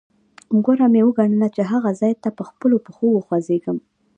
غوره مې وګڼله چې هغه ځاې ته په خپلو پښو وخوځېږم.